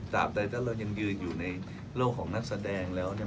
ใดถ้าเรายังยืนอยู่ในโลกของนักแสดงแล้วเนี่ย